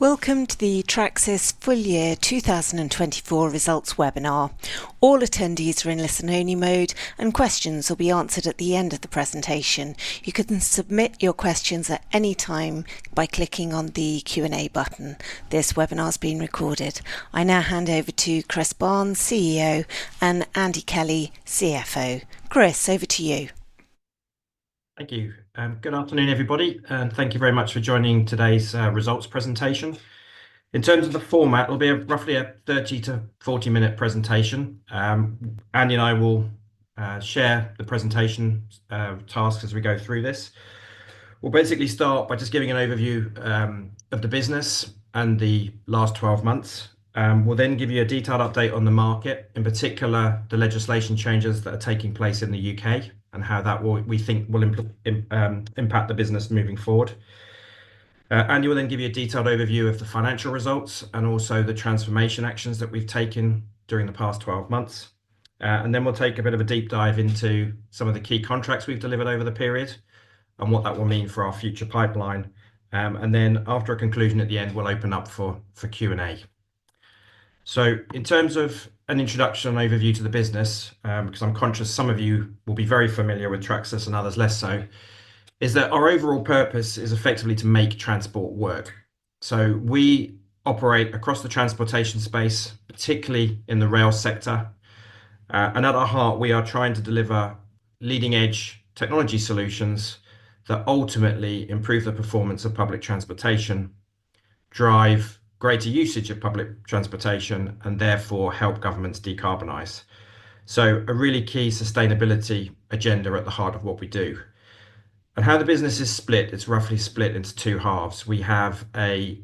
Welcome to the Tracsis Full Year 2024 Results Webinar. All attendees are in listen-only mode, and questions will be answered at the end of the presentation. You can submit your questions at any time by clicking on the Q&A button. This webinar is being recorded. I now hand over to Chris Barnes, CEO, and Andy Kelly, CFO. Chris, over to you. Thank you. Good afternoon, everybody, and thank you very much for joining today's results presentation. In terms of the format, it'll be roughly a 30 to 40 minute presentation. Andy and I will share the presentation tasks as we go through this. We'll basically start by just giving an overview of the business and the last 12 months. We'll then give you a detailed update on the market, in particular the legislation changes that are taking place in the U.K. and how we think will impact the business moving forward. Andy will then give you a detailed overview of the financial results and also the transformation actions that we've taken during the past 12 months. Then we'll take a bit of a deep dive into some of the key contracts we've delivered over the period and what that will mean for our future pipeline. After a conclusion at the end, we'll open up for Q&A. In terms of an introduction and overview to the business, because I'm conscious some of you will be very familiar with Tracsis and others less so, is that our overall purpose is effectively to make transport work. We operate across the transportation space, particularly in the rail sector. At our heart, we are trying to deliver leading-edge technology solutions that ultimately improve the performance of public transportation, drive greater usage of public transportation, and therefore help governments decarbonize. A really key sustainability agenda at the heart of what we do. How the business is split, it's roughly split into two halves. We have a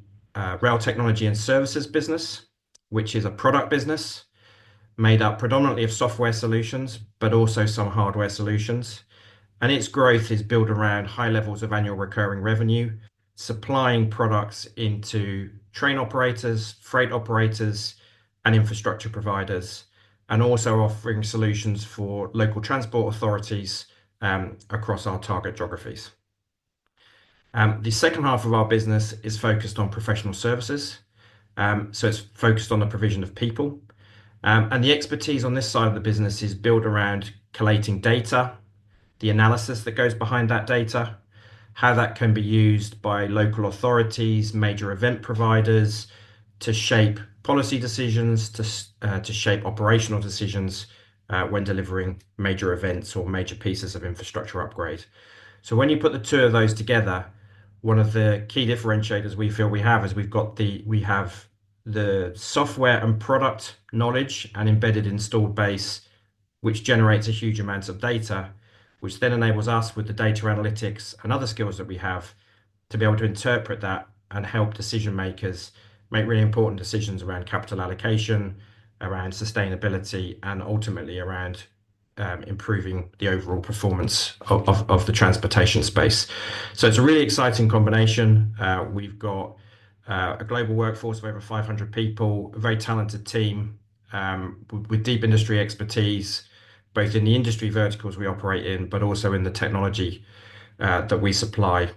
rail technology and services business, which is a product business made up predominantly of software solutions, but also some hardware solutions. Its growth is built around high levels of annual recurring revenue, supplying products into train operators, freight operators, and infrastructure providers, and also offering solutions for local transport authorities across our target geographies. The second half of our business is focused on professional services. It's focused on the provision of people. The expertise on this side of the business is built around collating data, the analysis that goes behind that data, how that can be used by local authorities, major event providers to shape policy decisions, to shape operational decisions when delivering major events or major pieces of infrastructure upgrade. So when you put the two of those together, one of the key differentiators we feel we have is we've got the software and product knowledge and embedded installed base, which generates a huge amount of data, which then enables us with the data analytics and other skills that we have to be able to interpret that and help decision makers make really important decisions around capital allocation, around sustainability, and ultimately around improving the overall performance of the transportation space. So it's a really exciting combination. We've got a global workforce of over 500 people, a very talented team with deep industry expertise, both in the industry verticals we operate in, but also in the technology that we supply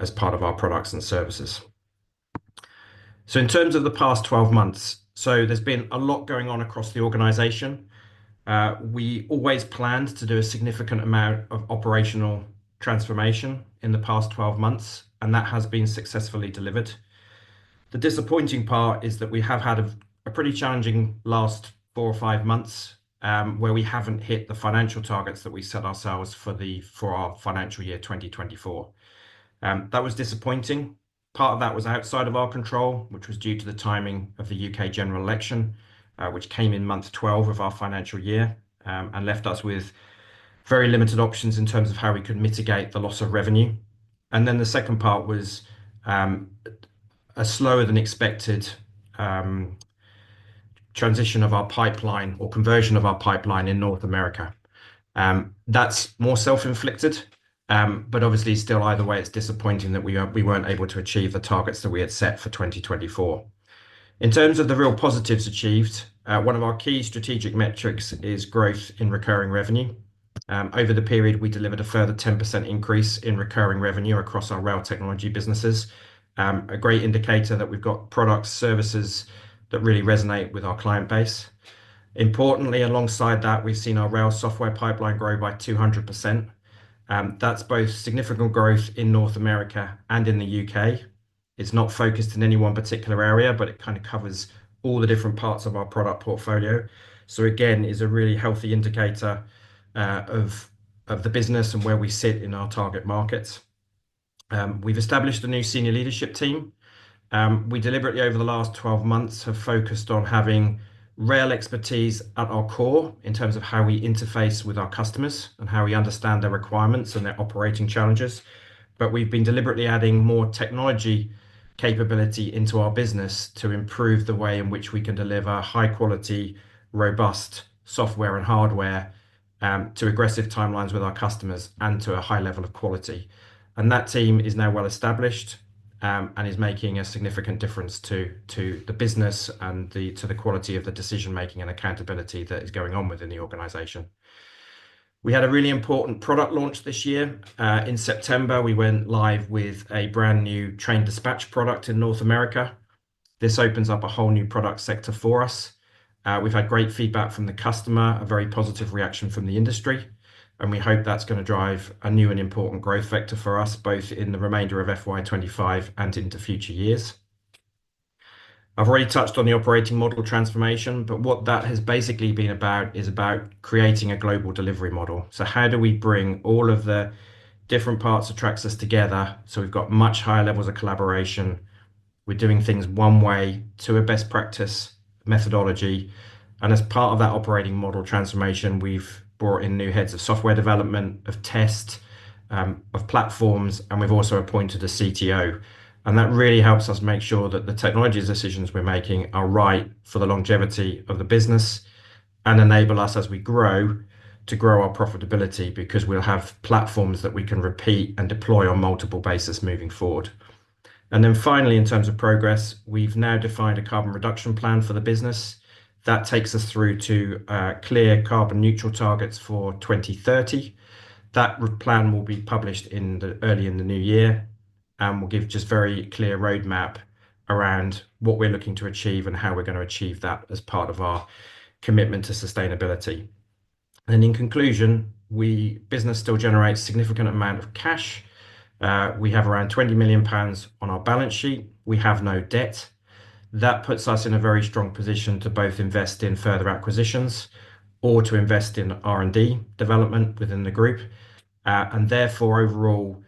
as part of our products and services. So in terms of the past 12 months, there's been a lot going on across the organization. We always planned to do a significant amount of operational transformation in the past 12 months, and that has been successfully delivered. The disappointing part is that we have had a pretty challenging last four or five months where we haven't hit the financial targets that we set ourselves for our financial year 2024. That was disappointing. Part of that was outside of our control, which was due to the timing of the U.K. general election, which came in month 12 of our financial year and left us with very limited options in terms of how we could mitigate the loss of revenue. And then the second part was a slower than expected transition of our pipeline or conversion of our pipeline in North America. That's more self-inflicted, but obviously still either way, it's disappointing that we weren't able to achieve the targets that we had set for 2024. In terms of the real positives achieved, one of our key strategic metrics is growth in recurring revenue. Over the period, we delivered a further 10% increase in recurring revenue across our rail technology businesses, a great indicator that we've got products, services that really resonate with our client base. Importantly, alongside that, we've seen our rail software pipeline grow by 200%. That's both significant growth in North America and in the UK. It's not focused in any one particular area, but it kind of covers all the different parts of our product portfolio. So again, it's a really healthy indicator of the business and where we sit in our target markets. We've established a new senior leadership team. We deliberately, over the last 12 months, have focused on having rail expertise at our core in terms of how we interface with our customers and how we understand their requirements and their operating challenges. But we've been deliberately adding more technology capability into our business to improve the way in which we can deliver high-quality, robust software and hardware to aggressive timelines with our customers and to a high level of quality. And that team is now well established and is making a significant difference to the business and to the quality of the decision-making and accountability that is going on within the organization. We had a really important product launch this year. In September, we went live with a brand new train dispatch product in North America. This opens up a whole new product sector for us. We've had great feedback from the customer, a very positive reaction from the industry, and we hope that's going to drive a new and important growth vector for us, both in the remainder of FY25 and into future years. I've already touched on the operating model transformation, but what that has basically been about is creating a global delivery model. How do we bring all of the different parts of Tracsis together so we've got much higher levels of collaboration? We're doing things one way to a best practice methodology. As part of that operating model transformation, we've brought in new heads of software development, of test, of platforms, and we've also appointed a CTO. And that really helps us make sure that the technology decisions we're making are right for the longevity of the business and enable us, as we grow, to grow our profitability because we'll have platforms that we can repeat and deploy on multiple bases moving forward. And then finally, in terms of progress, we've now defined a carbon reduction plan for the business. That takes us through to clear carbon neutral targets for 2030. That plan will be published early in the new year and will give just very clear roadmap around what we're looking to achieve and how we're going to achieve that as part of our commitment to sustainability. And in conclusion, business still generates a significant amount of cash. We have around £20 million on our balance sheet. We have no debt. That puts us in a very strong position to both invest in further acquisitions or to invest in R&D development within the group. And therefore, overall,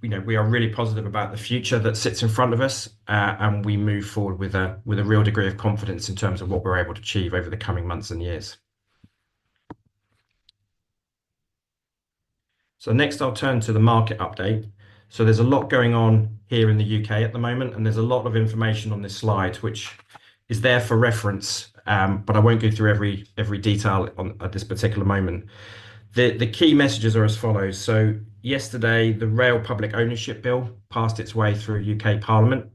we are really positive about the future that sits in front of us, and we move forward with a real degree of confidence in terms of what we're able to achieve over the coming months and years. So next, I'll turn to the market update. So there's a lot going on here in the U.K. at the moment, and there's a lot of information on this slide, which is there for reference, but I won't go through every detail at this particular moment. The key messages are as follows. So yesterday, the Rail Public Ownership Bill passed its way through U.K. Parliament.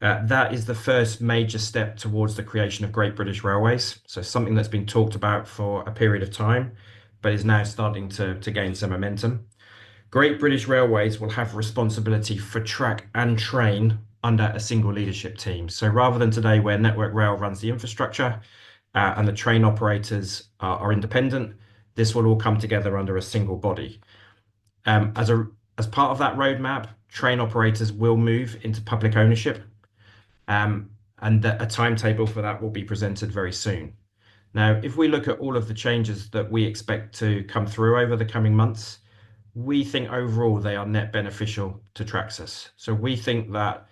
That is the first major step towards the creation of Great British Railways. So something that's been talked about for a period of time, but is now starting to gain some momentum. Great British Railways will have responsibility for track and train under a single leadership team. So rather than today, where Network Rail runs the infrastructure and the train operators are independent, this will all come together under a single body. As part of that roadmap, train operators will move into public ownership, and a timetable for that will be presented very soon. Now, if we look at all of the changes that we expect to come through over the coming months, we think overall they are net beneficial to Tracsis. So we think that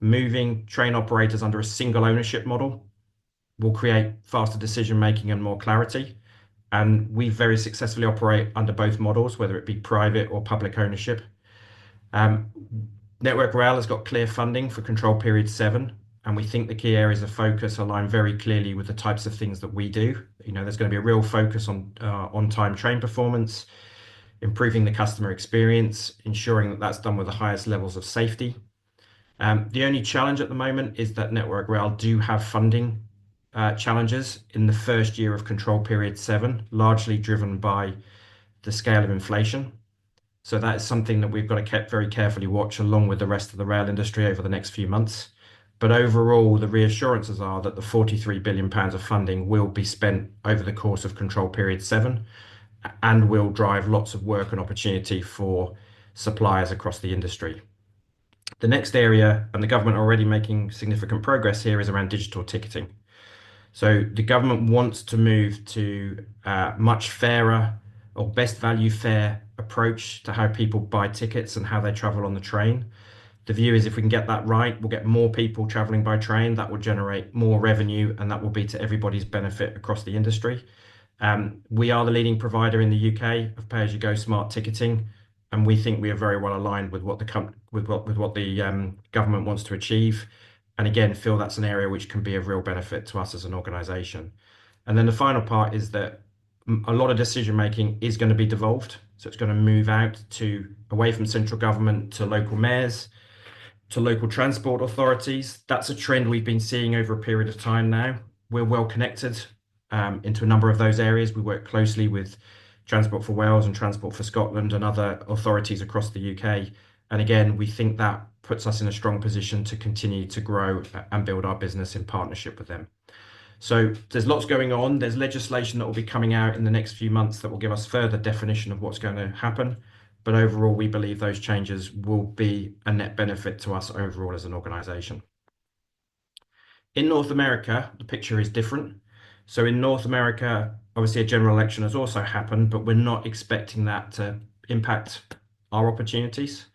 moving train operators under a single ownership model will create faster decision-making and more clarity. And we very successfully operate under both models, whether it be private or public ownership. Network Rail has got clear funding for Control Period 7, and we think the key areas of focus align very clearly with the types of things that we do. There's going to be a real focus on on-time train performance, improving the customer experience, ensuring that that's done with the highest levels of safety. The only challenge at the moment is that Network Rail do have funding challenges in the first year of Control Period 7, largely driven by the scale of inflation. So that is something that we've got to keep very careful watch along with the rest of the rail industry over the next few months. But overall, the reassurances are that the 43 billion pounds of funding will be spent over the course of Control Period 7 and will drive lots of work and opportunity for suppliers across the industry. The next area, and the government is already making significant progress here, is around digital ticketing. So the government wants to move to a much fairer or best value fare approach to how people buy tickets and how they travel on the train. The view is if we can get that right, we'll get more people traveling by train. That will generate more revenue, and that will be to everybody's benefit across the industry. We are the leading provider in the U.K. of pay-as-you-go smart ticketing, and we think we are very well aligned with what the government wants to achieve. And again, feel that's an area which can be a real benefit to us as an organization. And then the final part is that a lot of decision-making is going to be devolved. It's going to move out away from central government to local mayors to local transport authorities. That's a trend we've been seeing over a period of time now. We're well connected into a number of those areas. We work closely with Transport for Wales and Transport for Scotland and other authorities across the U.K. Again, we think that puts us in a strong position to continue to grow and build our business in partnership with them. There's lots going on. There's legislation that will be coming out in the next few months that will give us further definition of what's going to happen. Overall, we believe those changes will be a net benefit to us overall as an organization. In North America, the picture is different. In North America, obviously a general election has also happened, but we're not expecting that to impact our opportunities.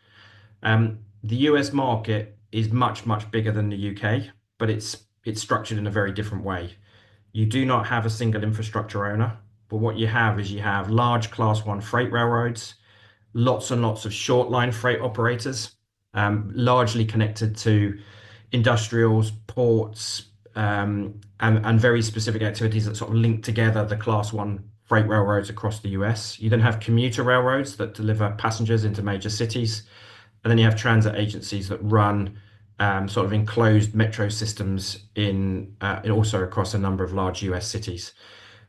The U.S. market is much, much bigger than the U.K., but it's structured in a very different way. You do not have a single infrastructure owner, but what you have is you have large class I freight railroads, lots and lots of short line freight operators, largely connected to industrials, ports, and very specific activities that sort of link together the class I freight railroads across the U.S. You then have commuter railroads that deliver passengers into major cities, and then you have transit agencies that run sort of enclosed metro systems in, also across, a number of large U.S. cities,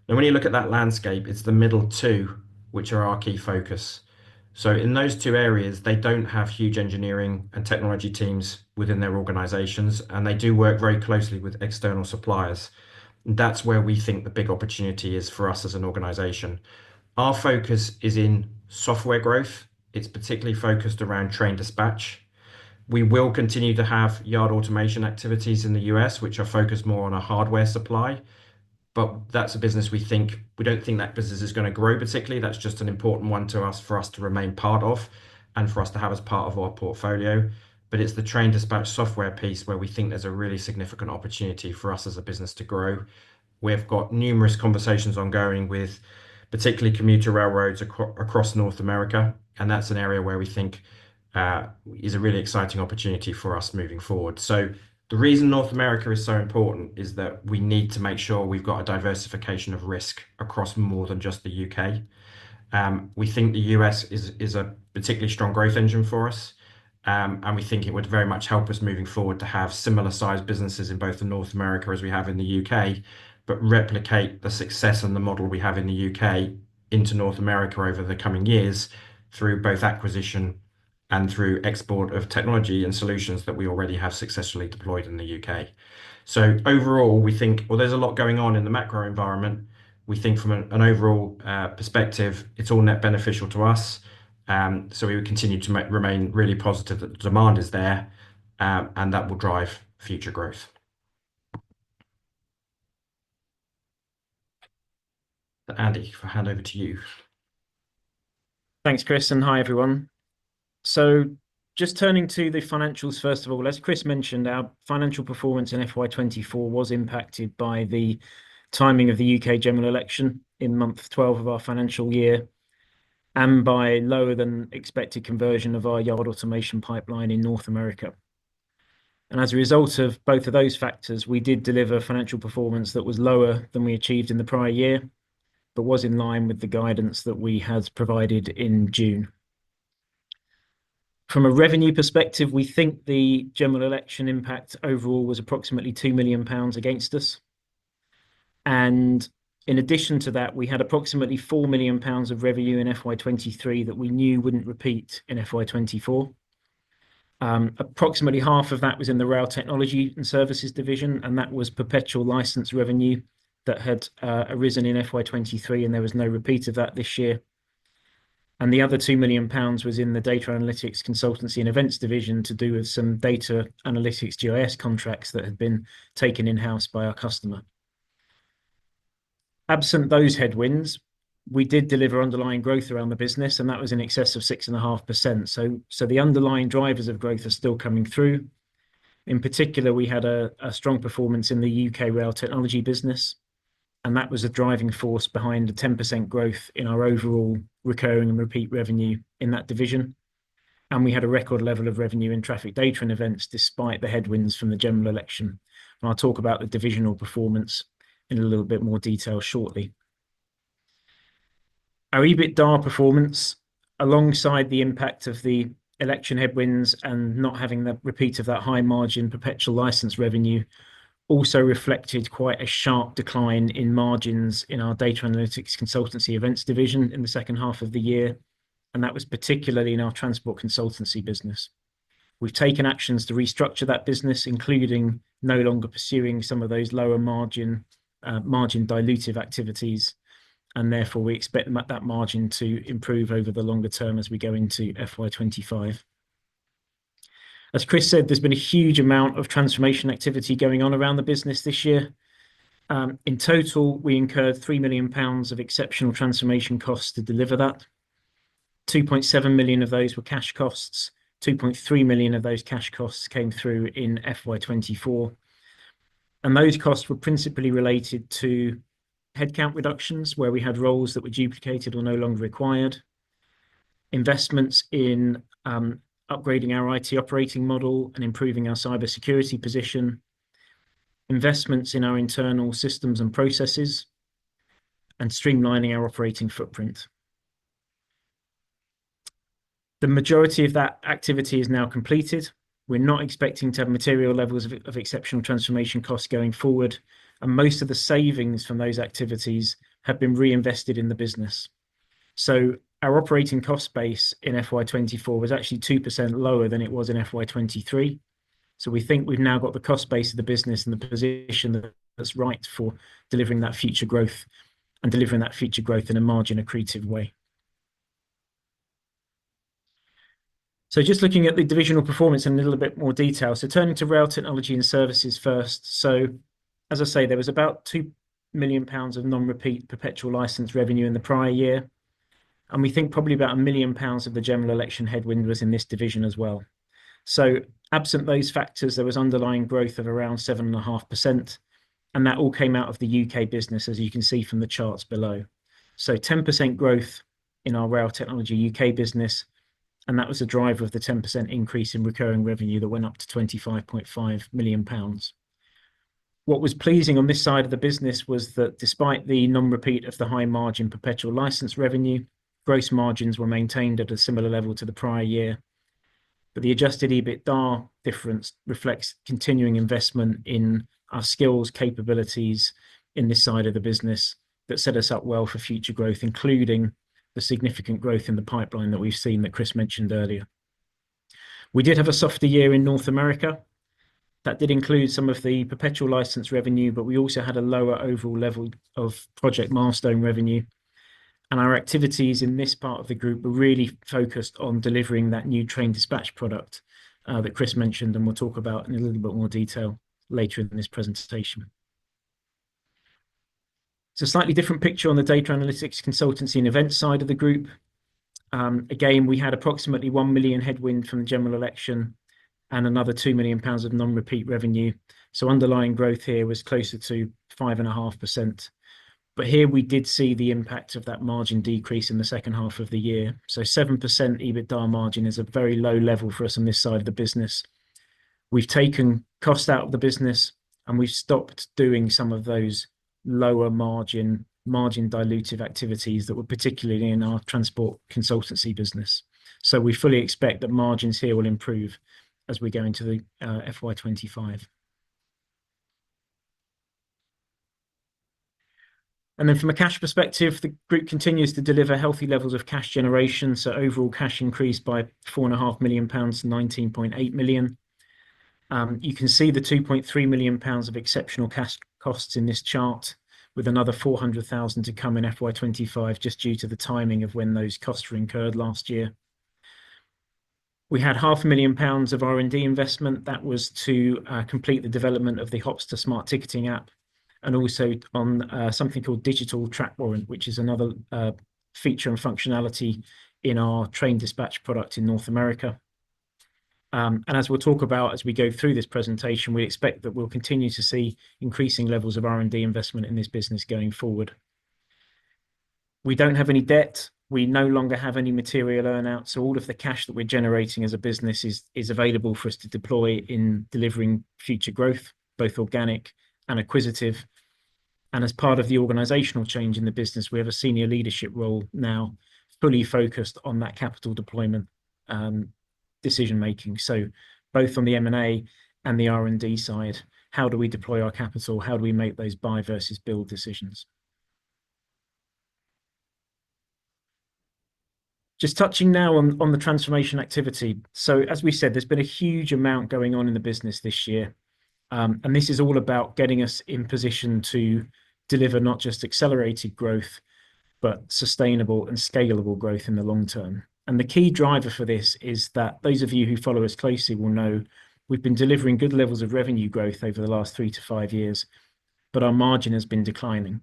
and when you look at that landscape, it's the middle two, which are our key focus, so in those two areas, they don't have huge engineering and technology teams within their organizations, and they do work very closely with external suppliers. That's where we think the big opportunity is for us as an organization. Our focus is in software growth. It's particularly focused around train dispatch. We will continue to have yard automation activities in the U.S., which are focused more on a hardware supply, but that's a business we don't think that business is going to grow particularly. That's just an important one for us to remain part of and for us to have as part of our portfolio. But it's the train dispatch software piece where we think there's a really significant opportunity for us as a business to grow. We've got numerous conversations ongoing with particularly commuter railroads across North America, and that's an area where we think is a really exciting opportunity for us moving forward. So the reason North America is so important is that we need to make sure we've got a diversification of risk across more than just the U.K. We think the U.S. is a particularly strong growth engine for us, and we think it would very much help us moving forward to have similar sized businesses in both North America as we have in the U.K., but replicate the success and the model we have in the U.K. into North America over the coming years through both acquisition and through export of technology and solutions that we already have successfully deployed in the U.K. So overall, we think, well, there's a lot going on in the macro environment. We think from an overall perspective, it's all net beneficial to us. So we would continue to remain really positive that the demand is there and that will drive future growth. Andy, I'll hand over to you. Thanks, Chris. And hi everyone. So just turning to the financials, first of all, as Chris mentioned, our financial performance in FY24 was impacted by the timing of the UK general election in month 12 of our financial year and by lower than expected conversion of our yard automation pipeline in North America. And as a result of both of those factors, we did deliver financial performance that was lower than we achieved in the prior year, but was in line with the guidance that we had provided in June. From a revenue perspective, we think the general election impact overall was approximately 2 million pounds against us. And in addition to that, we had approximately 4 million pounds of revenue in FY23 that we knew wouldn't repeat in FY24. Approximately half of that was in the rail technology and services division, and that was perpetual license revenue that had arisen in FY23, and there was no repeat of that this year, and the other 2 million pounds was in the data analytics consultancy and events division to do with some data analytics GIS contracts that had been taken in-house by our customer. Absent those headwinds, we did deliver underlying growth around the business, and that was in excess of 6.5%, so the underlying drivers of growth are still coming through. In particular, we had a strong performance in the U.K. rail technology business, and that was a driving force behind the 10% growth in our overall recurring and repeat revenue in that division, and we had a record level of revenue in Traffic Data and Events despite the headwinds from the general election. And I'll talk about the divisional performance in a little bit more detail shortly. Our EBITDA performance, alongside the impact of the election headwinds and not having the repeat of that high margin perpetual license revenue, also reflected quite a sharp decline in margins in our data analytics consultancy events division in the second half of the year, and that was particularly in our transport consultancy business. We've taken actions to restructure that business, including no longer pursuing some of those lower margin dilutive activities, and therefore we expect that margin to improve over the longer term as we go into FY25. As Chris said, there's been a huge amount of transformation activity going on around the business this year. In total, we incurred £3 million of exceptional transformation costs to deliver that. £2.7 million of those were cash costs. £2.3 million of those cash costs came through in FY24. Those costs were principally related to headcount reductions, where we had roles that were duplicated or no longer required, investments in upgrading our IT operating model and improving our cybersecurity position, investments in our internal systems and processes, and streamlining our operating footprint. The majority of that activity is now completed. We're not expecting to have material levels of exceptional transformation costs going forward, and most of the savings from those activities have been reinvested in the business. So our operating cost base in FY24 was actually 2% lower than it was in FY23. So we think we've now got the cost base of the business in the position that's right for delivering that future growth and delivering that future growth in a margin accretive way. So just looking at the divisional performance in a little bit more detail. So turning to rail technology and services first. So as I say, there was about £2 million of non-repeat perpetual license revenue in the prior year, and we think probably about £1 million of the general election headwind was in this division as well. So absent those factors, there was underlying growth of around 7.5%, and that all came out of the UK business, as you can see from the charts below. So 10% growth in our rail technology UK business, and that was the driver of the 10% increase in recurring revenue that went up to £25.5 million. What was pleasing on this side of the business was that despite the non-repeat of the high margin perpetual license revenue, gross margins were maintained at a similar level to the prior year. But the adjusted EBITDA difference reflects continuing investment in our skills, capabilities in this side of the business that set us up well for future growth, including the significant growth in the pipeline that we've seen that Chris mentioned earlier. We did have a softer year in North America. That did include some of the perpetual license revenue, but we also had a lower overall level of project milestone revenue. And our activities in this part of the group were really focused on delivering that new train dispatch product that Chris mentioned and we'll talk about in a little bit more detail later in this presentation. It's a slightly different picture on the data analytics consultancy and events side of the group. Again, we had approximately 1 million headwind from the general election and another 2 million pounds of non-repeat revenue. So underlying growth here was closer to 5.5%. Here we did see the impact of that margin decrease in the second half of the year. 7% EBITDA margin is a very low level for us on this side of the business. We've taken costs out of the business and we've stopped doing some of those lower margin dilutive activities that were particularly in our transport consultancy business. We fully expect that margins here will improve as we go into FY25. From a cash perspective, the group continues to deliver healthy levels of cash generation. Overall cash increased by £4.5 million, £19.8 million. You can see the £2.3 million of exceptional cash costs in this chart with another £400,000 to come in FY25 just due to the timing of when those costs were incurred last year. We had £500,000 of R&D investment. That was to complete the development of the Hopsta Smart Ticketing app and also on something called Digital Track Warrant, which is another feature and functionality in our train dispatch product in North America. As we'll talk about as we go through this presentation, we expect that we'll continue to see increasing levels of R&D investment in this business going forward. We don't have any debt. We no longer have any material earnouts. All of the cash that we're generating as a business is available for us to deploy in delivering future growth, both organic and acquisitive. As part of the organizational change in the business, we have a senior leadership role now fully focused on that capital deployment decision making. Both on the M&A and the R&D side, how do we deploy our capital? How do we make those buy versus build decisions? Just touching now on the transformation activity. So as we said, there's been a huge amount going on in the business this year. And this is all about getting us in position to deliver not just accelerated growth, but sustainable and scalable growth in the long term. And the key driver for this is that those of you who follow us closely will know we've been delivering good levels of revenue growth over the last three to five years, but our margin has been declining.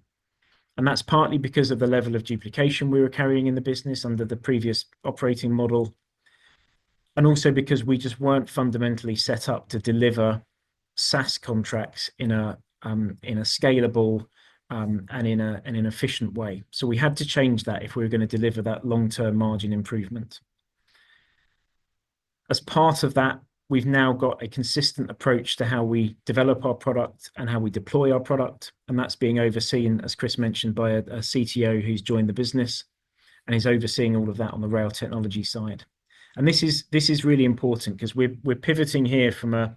And that's partly because of the level of duplication we were carrying in the business under the previous operating model, and also because we just weren't fundamentally set up to deliver SaaS contracts in a scalable and in an efficient way. So we had to change that if we were going to deliver that long-term margin improvement. As part of that, we've now got a consistent approach to how we develop our product and how we deploy our product, and that's being overseen, as Chris mentioned, by a CTO who's joined the business and is overseeing all of that on the rail technology side, and this is really important because we're pivoting here from a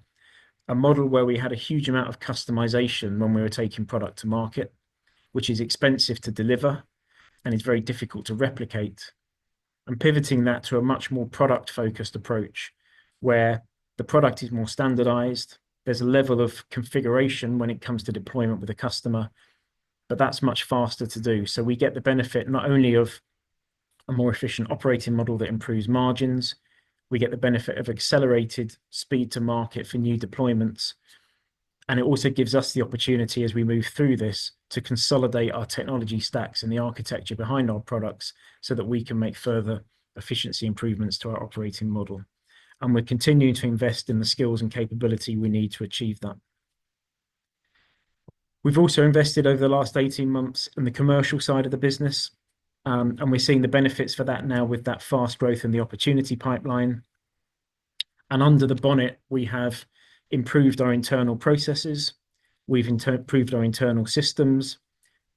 model where we had a huge amount of customization when we were taking product to market, which is expensive to deliver and is very difficult to replicate, and pivoting that to a much more product-focused approach where the product is more standardized. There's a level of configuration when it comes to deployment with a customer, but that's much faster to do, so we get the benefit not only of a more efficient operating model that improves margins, we get the benefit of accelerated speed to market for new deployments. It also gives us the opportunity, as we move through this, to consolidate our technology stacks and the architecture behind our products so that we can make further efficiency improvements to our operating model. We're continuing to invest in the skills and capability we need to achieve that. We've also invested over the last 18 months in the commercial side of the business, and we're seeing the benefits for that now with that fast growth in the opportunity pipeline. Under the bonnet, we have improved our internal processes. We've improved our internal systems.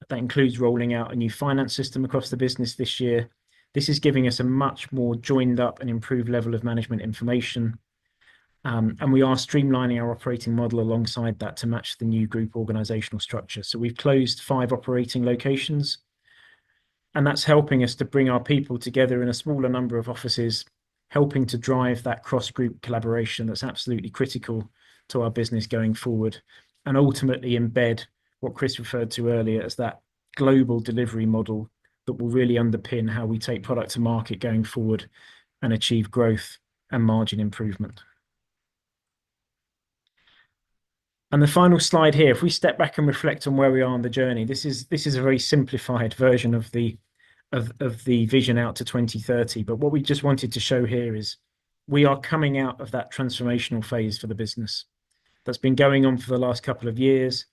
That includes rolling out a new finance system across the business this year. This is giving us a much more joined-up and improved level of management information. We are streamlining our operating model alongside that to match the new group organizational structure. So we've closed five operating locations, and that's helping us to bring our people together in a smaller number of offices, helping to drive that cross-group collaboration that's absolutely critical to our business going forward and ultimately embed what Chris referred to earlier as that global delivery model that will really underpin how we take product to market going forward and achieve growth and margin improvement. And the final slide here, if we step back and reflect on where we are on the journey, this is a very simplified version of the vision out to 2030. But what we just wanted to show here is we are coming out of that transformational phase for the business that's been going on for the last couple of years.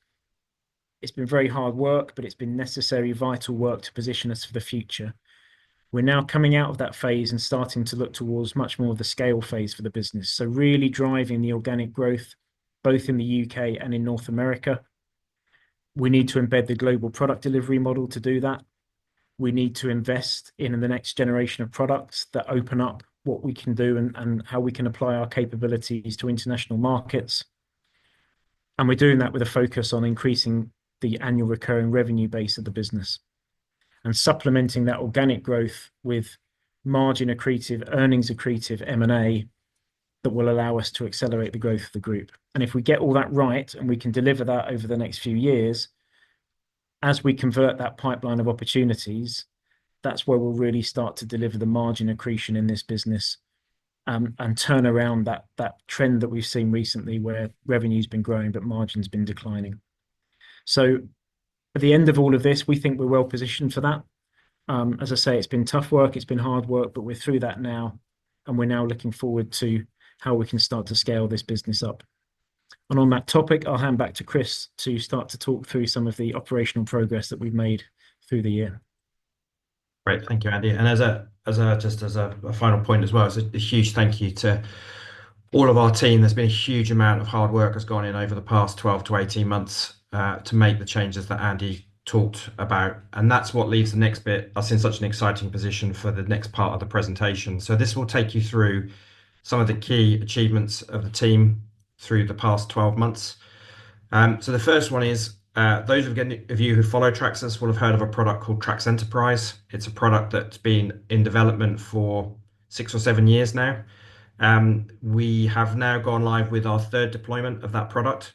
It's been very hard work, but it's been necessary, vital work to position us for the future. We're now coming out of that phase and starting to look towards much more of the scale phase for the business, so really driving the organic growth both in the U.K. and in North America. We need to embed the global product delivery model to do that. We need to invest in the next generation of products that open up what we can do and how we can apply our capabilities to international markets, and we're doing that with a focus on increasing the annual recurring revenue base of the business and supplementing that organic growth with margin accretive, earnings accretive, M&A that will allow us to accelerate the growth of the group. And if we get all that right and we can deliver that over the next few years, as we convert that pipeline of opportunities, that's where we'll really start to deliver the margin accretion in this business and turn around that trend that we've seen recently where revenue has been growing but margin has been declining. So at the end of all of this, we think we're well positioned for that. As I say, it's been tough work, it's been hard work, but we're through that now and we're now looking forward to how we can start to scale this business up. And on that topic, I'll hand back to Chris to start to talk through some of the operational progress that we've made through the year. Great. Thank you, Andy. As just a final point as well, it's a huge thank you to all of our team. There's been a huge amount of hard work that's gone in over the past 12 to 18 months to make the changes that Andy talked about. That's what leaves us in such an exciting position for the next part of the presentation. This will take you through some of the key achievements of the team through the past 12 months. The first one is, those of you who follow Tracsis will have heard of a product called Tracsis Enterprise. It's a product that's been in development for six or seven years now. We have now gone live with our third deployment of that product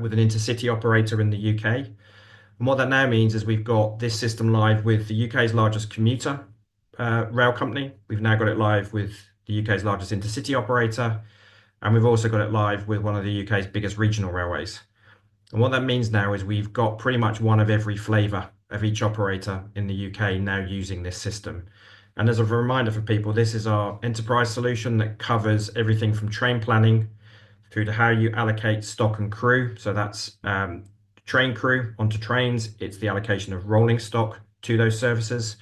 with an intercity operator in the U.K. And what that now means is we've got this system live with the U.K.'s largest commuter rail company. We've now got it live with the U.K.'s largest intercity operator, and we've also got it live with one of the U.K.'s biggest regional railways. And what that means now is we've got pretty much one of every flavour of each operator in the U.K. now using this system. And as a reminder for people, this is our Enterprise solution that covers everything from train planning through to how you allocate stock and crew. So that's train crew onto trains. It's the allocation of rolling stock to those services.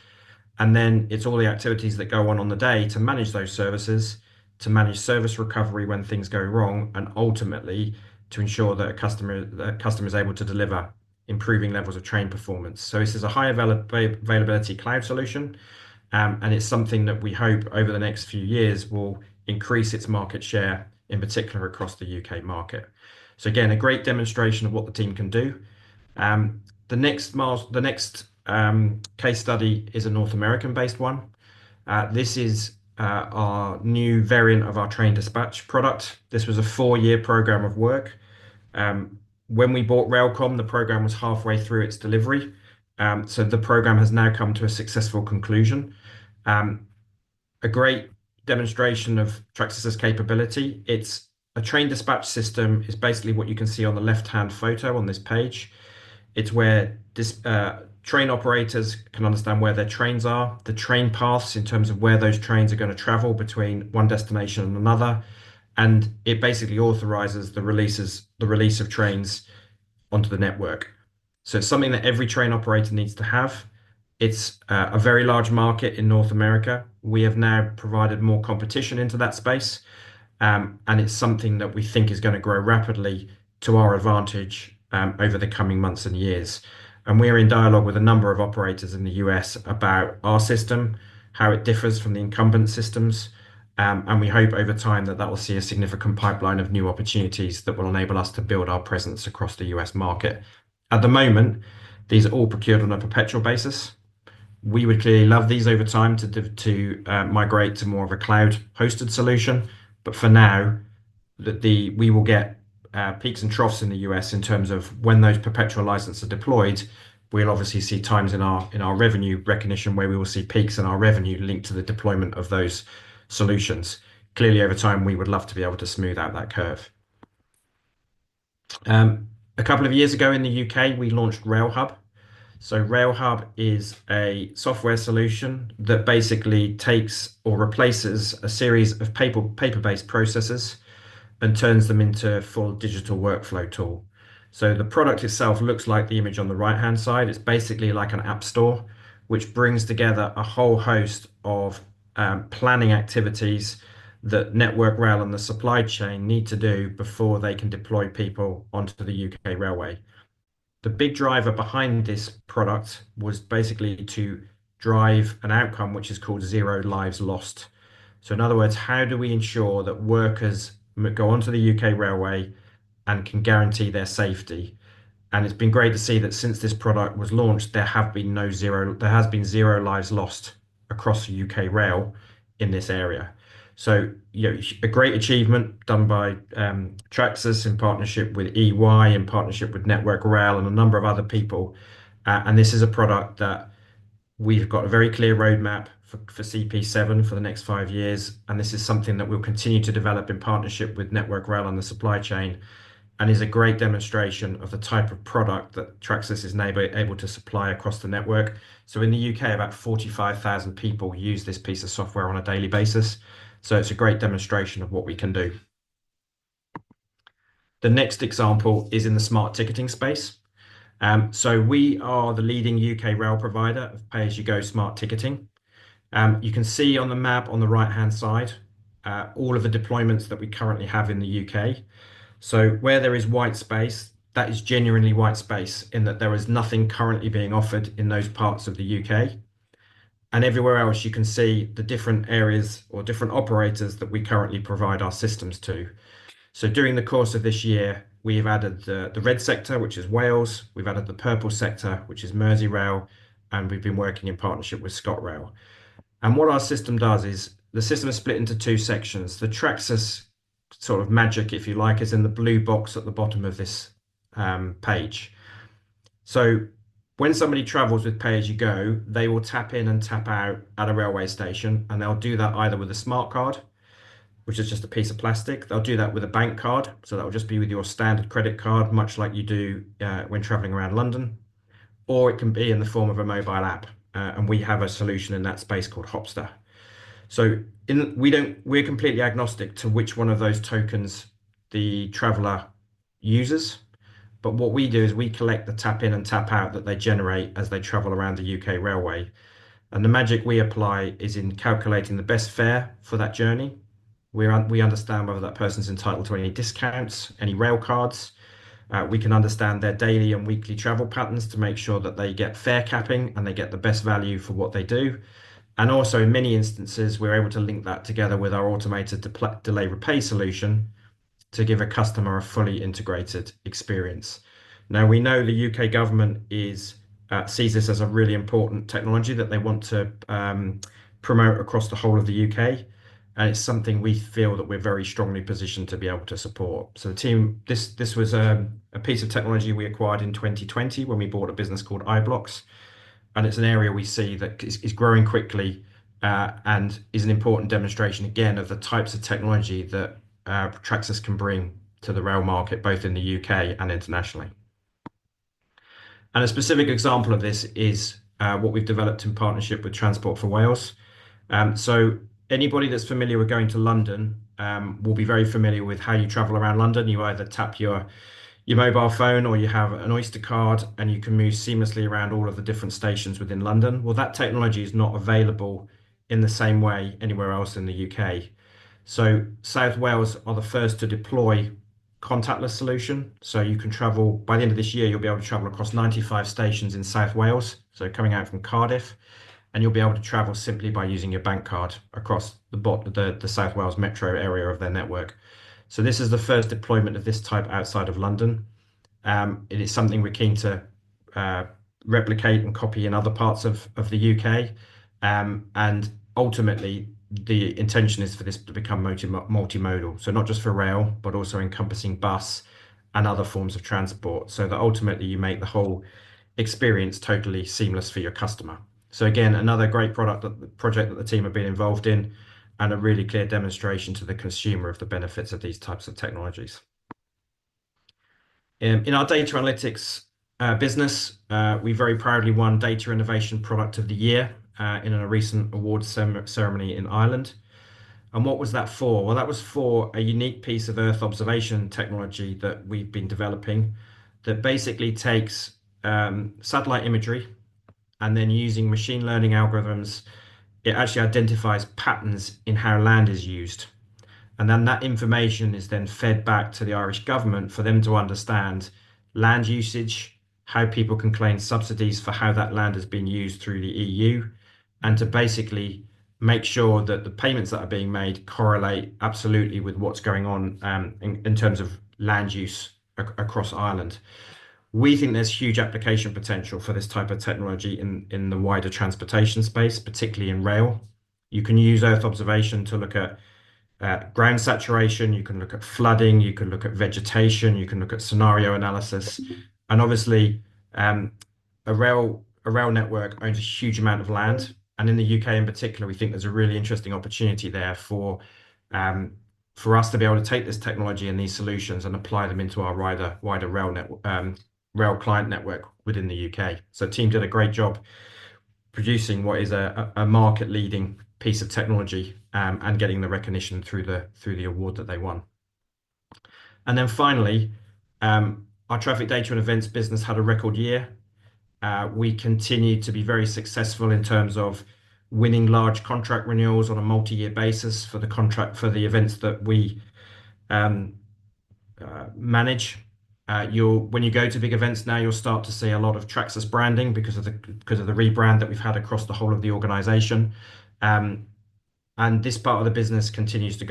And then it's all the activities that go on on the day to manage those services, to manage service recovery when things go wrong, and ultimately to ensure that a customer is able to deliver improving levels of train performance. So this is a high availability cloud solution, and it's something that we hope over the next few years will increase its market share, in particular across the UK market. So again, a great demonstration of what the team can do. The next case study is a North American-based one. This is our new variant of our train dispatch product. This was a four-year program of work. When we bought RailComm, the program was halfway through its delivery. So the program has now come to a successful conclusion. A great demonstration of Tracsis's capability. It's a train dispatch system. It's basically what you can see on the left-hand photo on this page. It's where train operators can understand where their trains are, the train paths in terms of where those trains are going to travel between one destination and another. It basically authorizes the release of trains onto the network. It's something that every train operator needs to have. It's a very large market in North America. We have now provided more competition into that space, and it's something that we think is going to grow rapidly to our advantage over the coming months and years. We are in dialogue with a number of operators in the U.S. about our system, how it differs from the incumbent systems. We hope over time that that will see a significant pipeline of new opportunities that will enable us to build our presence across the U.S. market. At the moment, these are all procured on a perpetual basis. We would clearly love these over time to migrate to more of a cloud-hosted solution. But for now, we will get peaks and troughs in the U.S. in terms of when those perpetual licenses are deployed. We'll obviously see times in our revenue recognition where we will see peaks in our revenue linked to the deployment of those solutions. Clearly, over time, we would love to be able to smooth out that curve. A couple of years ago in the U.K., we launched RailHub. So RailHub is a software solution that basically takes or replaces a series of paper-based processes and turns them into a full digital workflow tool. So the product itself looks like the image on the right-hand side. It's basically like an app store, which brings together a whole host of planning activities that Network Rail and the supply chain need to do before they can deploy people onto the U.K. railway. The big driver behind this product was basically to drive an outcome which is called Zero Lives Lost. In other words, how do we ensure that workers go onto the UK railway and can guarantee their safety? It's been great to see that since this product was launched, there have been zero lives lost across UK rail in this area. A great achievement done by Tracsis in partnership with EY, in partnership with Network Rail and a number of other people. This is a product that we've got a very clear roadmap for CP7 for the next five years. This is something that we'll continue to develop in partnership with Network Rail and the supply chain and is a great demonstration of the type of product that Tracsis is able to supply across the network. So in the U.K., about 45,000 people use this piece of software on a daily basis. So it's a great demonstration of what we can do. The next example is in the smart ticketing space. So we are the leading U.K. rail provider of pay-as-you-go smart ticketing. You can see on the map on the right-hand side all of the deployments that we currently have in the U.K. So where there is white space, that is genuinely white space in that there is nothing currently being offered in those parts of the U.K. And everywhere else, you can see the different areas or different operators that we currently provide our systems to. So during the course of this year, we have added the red sector, which is Wales. We've added the purple sector, which is Merseyrail, and we've been working in partnership with ScotRail. And what our system does is the system is split into two sections. The Tracsis sort of magic, if you like, is in the blue box at the bottom of this page. So when somebody travels with pay-as-you-go, they will tap in and tap out at a railway station, and they'll do that either with a smart card, which is just a piece of plastic. They'll do that with a bank card. So that will just be with your standard credit card, much like you do when traveling around London. Or it can be in the form of a mobile app. And we have a solution in that space called Hopsta. So we're completely agnostic to which one of those tokens the traveler uses. But what we do is we collect the tap-in and tap-out that they generate as they travel around the U.K. railway. The magic we apply is in calculating the best fare for that journey. We understand whether that person's entitled to any discounts, any rail cards. We can understand their daily and weekly travel patterns to make sure that they get fare capping and they get the best value for what they do. And also, in many instances, we're able to link that together with our automated Delay Repay solution to give a customer a fully integrated experience. Now, we know the U.K. government sees this as a really important technology that they want to promote across the whole of the U.K. And it's something we feel that we're very strongly positioned to be able to support. This was a piece of technology we acquired in 2020 when we bought a business called iBlocks. And it's an area we see that is growing quickly and is an important demonstration, again, of the types of technology that Tracsis can bring to the rail market, both in the U.K. and internationally. And a specific example of this is what we've developed in partnership with Transport for Wales. So anybody that's familiar with going to London will be very familiar with how you travel around London. You either tap your mobile phone or you have an Oyster card, and you can move seamlessly around all of the different stations within London. Well, that technology is not available in the same way anywhere else in the U.K. So South Wales are the first to deploy a contactless solution. So you can travel by the end of this year. You'll be able to travel across 95 stations in South Wales. So coming out from Cardiff, and you'll be able to travel simply by using your bank card across the South Wales Metro area of their network. So this is the first deployment of this type outside of London. It is something we're keen to replicate and copy in other parts of the U.K. And ultimately, the intention is for this to become multimodal. So not just for rail, but also encompassing bus and other forms of transport. So that ultimately, you make the whole experience totally seamless for your customer. So again, another great project that the team have been involved in and a really clear demonstration to the consumer of the benefits of these types of technologies. In our data analytics business, we very proudly won Data Innovation Product of the Year in a recent awards ceremony in Ireland. And what was that for? That was for a unique piece of Earth observation technology that we've been developing that basically takes satellite imagery and then using machine learning algorithms, it actually identifies patterns in how land is used. Then that information is then fed back to the Irish government for them to understand land usage, how people can claim subsidies for how that land has been used through the EU, and to basically make sure that the payments that are being made correlate absolutely with what's going on in terms of land use across Ireland. We think there's huge application potential for this type of technology in the wider transportation space, particularly in rail. You can use Earth observation to look at ground saturation. You can look at flooding. You can look at vegetation. You can look at scenario analysis. Obviously, a rail network owns a huge amount of land. In the U.K., in particular, we think there's a really interesting opportunity there for us to be able to take this technology and these solutions and apply them into our wider rail client network within the U.K. The team did a great job producing what is a market-leading piece of technology and getting the recognition through the award that they won. Then finally, our Traffic Data and Events business had a record year. We continue to be very successful in terms of winning large contract renewals on a multi-year basis for the events that we manage. When you go to big events now, you'll start to see a lot of Tracsis branding because of the rebrand that we've had across the whole of the organization. This part of the business continues to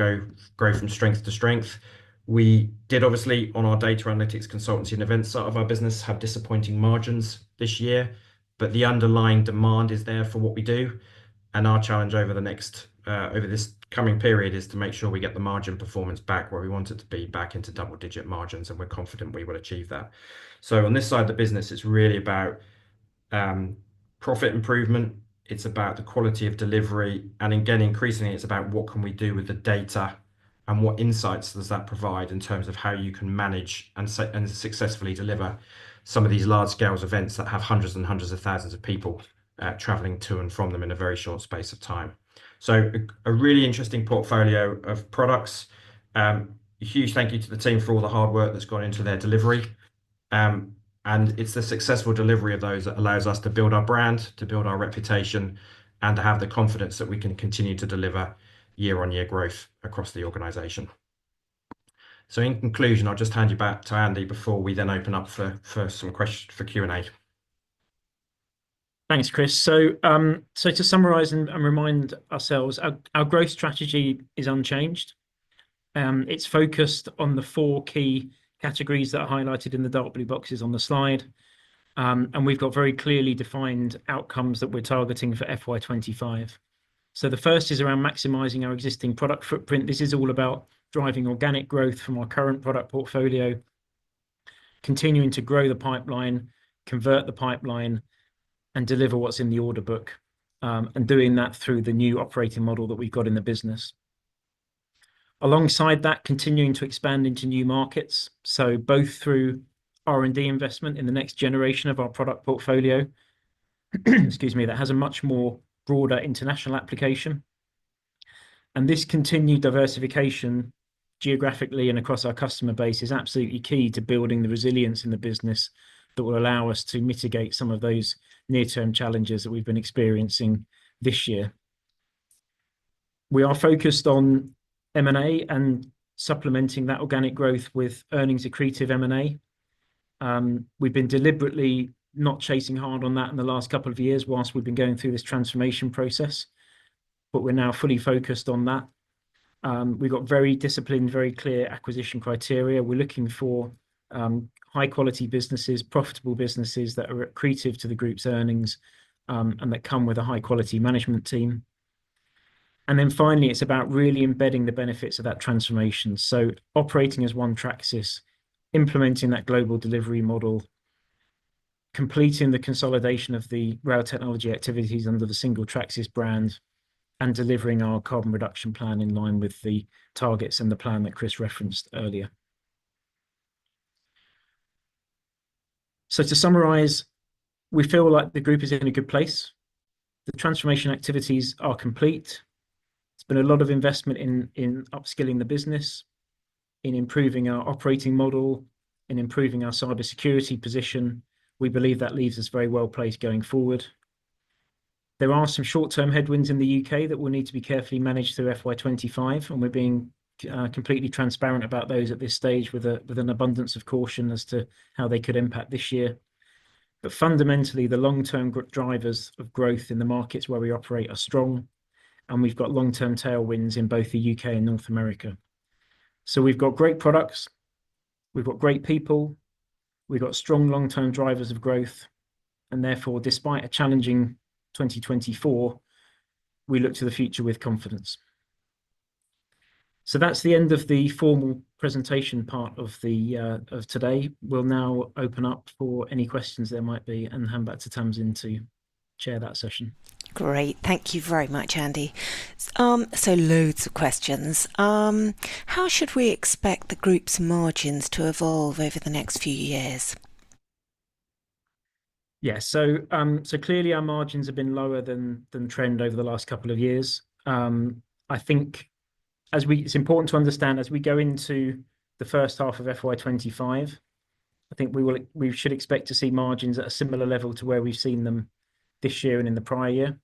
grow from strength to strength. We did, obviously, on our data analytics consultancy and events side of our business, have disappointing margins this year, but the underlying demand is there for what we do, and our challenge over this coming period is to make sure we get the margin performance back where we want it to be, back into double-digit margins, and we're confident we will achieve that, so on this side of the business, it's really about profit improvement. It's about the quality of delivery, and again, increasingly, it's about what can we do with the data and what insights does that provide in terms of how you can manage and successfully deliver some of these large-scale events that have hundreds and hundreds of thousands of people traveling to and from them in a very short space of time, so a really interesting portfolio of products. Huge thank you to the team for all the hard work that's gone into their delivery. It's the successful delivery of those that allows us to build our brand, to build our reputation, and to have the confidence that we can continue to deliver year-on-year growth across the organization. In conclusion, I'll just hand you back to Andy before we then open up for some questions for Q&A. Thanks, Chris. To summarise and remind ourselves, our growth strategy is unchanged. It's focused on the four key categories that are highlighted in the dark blue boxes on the slide. We've got very clearly defined outcomes that we're targeting for FY25. The first is around maximizing our existing product footprint. This is all about driving organic growth from our current product portfolio, continuing to grow the pipeline, convert the pipeline, and deliver what's in the order book, and doing that through the new operating model that we've got in the business. Alongside that, continuing to expand into new markets, so both through R&D investment in the next generation of our product portfolio, excuse me, that has a much more broader international application, and this continued diversification geographically and across our customer base is absolutely key to building the resilience in the business that will allow us to mitigate some of those near-term challenges that we've been experiencing this year. We are focused on M&A and supplementing that organic growth with earnings-accretive M&A. We've been deliberately not chasing hard on that in the last couple of years while we've been going through this transformation process, but we're now fully focused on that. We've got very disciplined, very clear acquisition criteria. We're looking for high-quality businesses, profitable businesses that are accretive to the group's earnings and that come with a high-quality management team, and then finally, it's about really embedding the benefits of that transformation, so operating as one Tracsis, implementing that global delivery model, completing the consolidation of the rail technology activities under the single Tracsis brand, and delivering our carbon reduction plan in line with the targets and the plan that Chris referenced earlier, so to summarize, we feel like the group is in a good place. The transformation activities are complete. There's been a lot of investment in upskilling the business, in improving our operating model, in improving our cybersecurity position. We believe that leaves us very well placed going forward. There are some short-term headwinds in the U.K. that will need to be carefully managed through FY25, and we're being completely transparent about those at this stage with an abundance of caution as to how they could impact this year. But fundamentally, the long-term drivers of growth in the markets where we operate are strong, and we've got long-term tailwinds in both the U.K. and North America. So we've got great products. We've got great people. We've got strong long-term drivers of growth. And therefore, despite a challenging 2024, we look to the future with confidence. So that's the end of the formal presentation part of today. We'll now open up for any questions there might be and hand back to Tamsin to chair that session. Great. Thank you very much, Andy. So loads of questions. How should we expect the group's margins to evolve over the next few years? Yeah. So clearly, our margins have been lower than trend over the last couple of years. I think it's important to understand as we go into the first half of FY25. I think we should expect to see margins at a similar level to where we've seen them this year and in the prior year.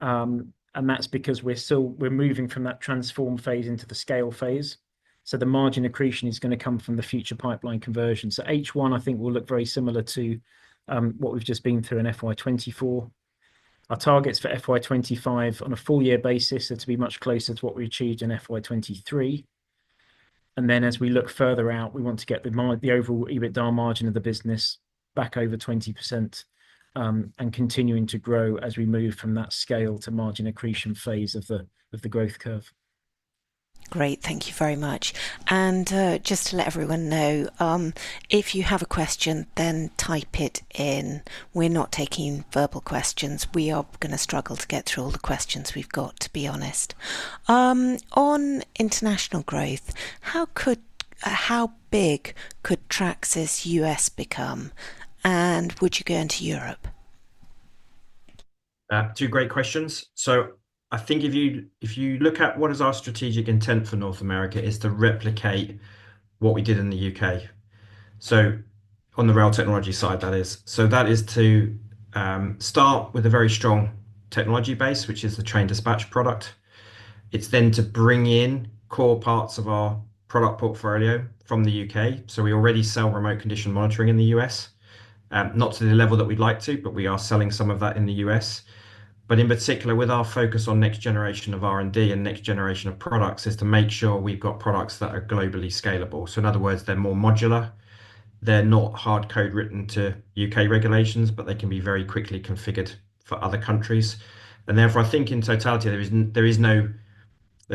And that's because we're moving from that transform phase into the scale phase. So the margin accretion is going to come from the future pipeline conversion. So H1, I think, will look very similar to what we've just been through in FY24. Our targets for FY25 on a full-year basis are to be much closer to what we achieved in FY23. And then as we look further out, we want to get the overall EBITDA margin of the business back over 20% and continuing to grow as we move from that scale to margin accretion phase of the growth curve. Great. Thank you very much. And just to let everyone know, if you have a question, then type it in. We're not taking verbal questions. We are going to struggle to get through all the questions we've got, to be honest. On international growth, how big could Tracsis US become, and would you go into Europe? Two great questions. So I think if you look at what is our strategic intent for North America is to replicate what we did in the UK. So on the rail technology side, that is. So that is to start with a very strong technology base, which is the train dispatch product. It's then to bring in core parts of our product portfolio from the U.K. So we already sell remote condition monitoring in the U.S., not to the level that we'd like to, but we are selling some of that in the U.S. But in particular, with our focus on next generation of R&D and next generation of products, is to make sure we've got products that are globally scalable. So in other words, they're more modular. They're not hard code written to U.K. regulations, but they can be very quickly configured for other countries. And therefore, I think in totality, there's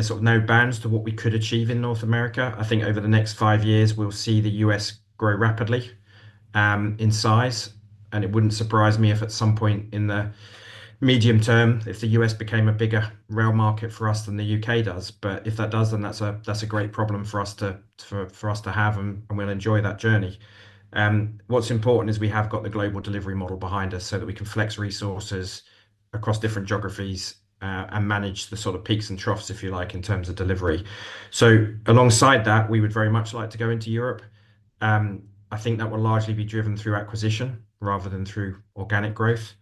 sort of no bounds to what we could achieve in North America. I think over the next five years, we'll see the U.S. grow rapidly in size. And it wouldn't surprise me if at some point in the medium term, if the U.S. became a bigger rail market for us than the U.K. does. But if that does, then that's a great problem for us to have, and we'll enjoy that journey. What's important is we have got the global delivery model behind us so that we can flex resources across different geographies and manage the sort of peaks and troughs, if you like, in terms of delivery. So alongside that, we would very much like to go into Europe. I think that will largely be driven through acquisition rather than through organic growth.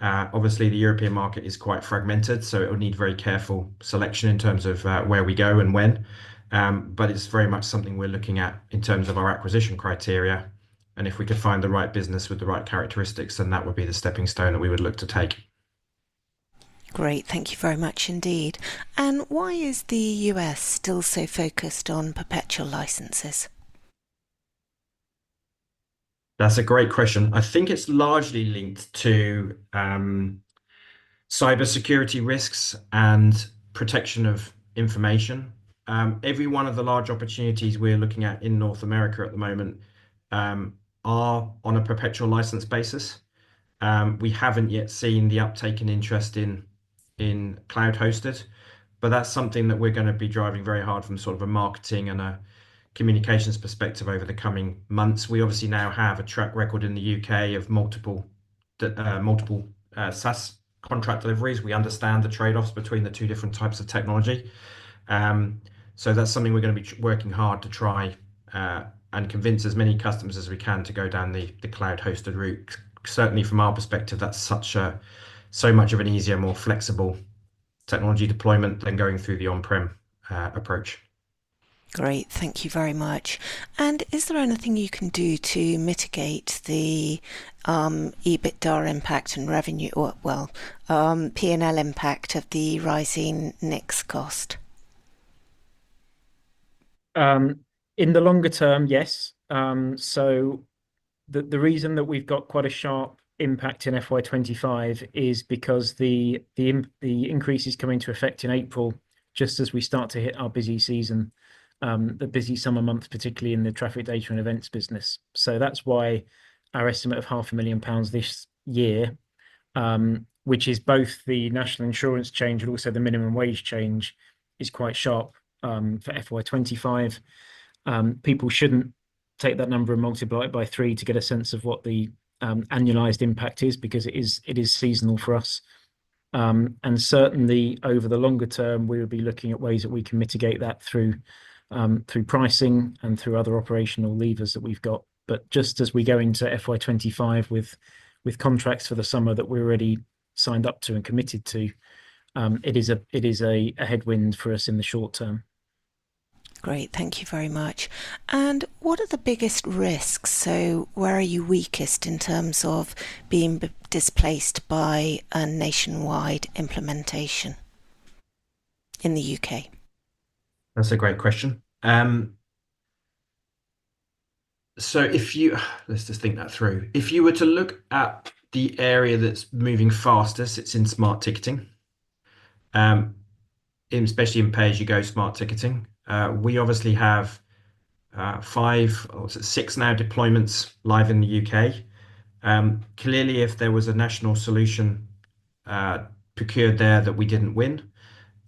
Obviously, the European market is quite fragmented, so it will need very careful selection in terms of where we go and when. But it's very much something we're looking at in terms of our acquisition criteria. And if we could find the right business with the right characteristics, then that would be the stepping stone that we would look to take. Great. Thank you very much indeed. And why is the U.S. still so focused on perpetual licenses? That's a great question. I think it's largely linked to cybersecurity risks and protection of information. Every one of the large opportunities we're looking at in North America at the moment are on a perpetual license basis. We haven't yet seen the uptake and interest in cloud hosted, but that's something that we're going to be driving very hard from sort of a marketing and a communications perspective over the coming months. We obviously now have a track record in the U.K. of multiple SaaS contract deliveries. We understand the trade-offs between the two different types of technology. So that's something we're going to be working hard to try and convince as many customers as we can to go down the cloud hosted route. Certainly, from our perspective, that's so much of an easier, more flexible technology deployment than going through the on-prem approach. Great. Thank you very much. And is there anything you can do to mitigate the EBITDA impact and revenue, well, P&L impact of the rising NICs cost? In the longer term, yes. So the reason that we've got quite a sharp impact in FY25 is because the increase is coming to effect in April, just as we start to hit our busy season, the busy summer months, particularly in the Traffic Data and Events business. That's why our estimate of 500,000 pounds this year, which is both the National Insurance change and also the minimum wage change, is quite sharp for FY25. People shouldn't take that number and multiply it by three to get a sense of what the annualized impact is because it is seasonal for us. And certainly, over the longer term, we would be looking at ways that we can mitigate that through pricing and through other operational levers that we've got. But just as we go into FY25 with contracts for the summer that we're already signed up to and committed to, it is a headwind for us in the short term. Great. Thank you very much. And what are the biggest risks? So where are you weakest in terms of being displaced by a nationwide implementation in the U.K.? That's a great question. So let's just think that through. If you were to look at the area that's moving fastest, it's in smart ticketing, especially in Pay As You Go smart ticketing. We obviously have five or six now deployments live in the UK. Clearly, if there was a national solution procured there that we didn't win,